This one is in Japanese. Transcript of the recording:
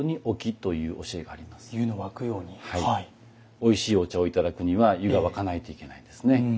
おいしいお茶をいただくには湯が沸かないといけないんですね。